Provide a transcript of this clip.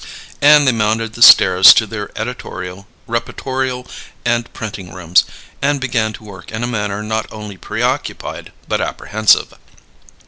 And they mounted the stairs to their editorial, reportorial, and printing rooms; and began to work in a manner not only preoccupied but apprehensive.